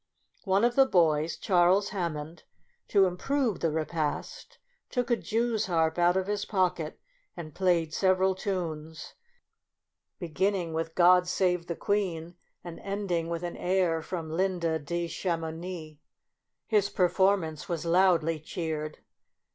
One of the boys, Charles Hammond, to improve the repast, took a jews harp out of his pocket, and played several tunes, beginning with " God save the Queen," and ending with an air from " Linda di Chamounix." His per formance was loudly cheered.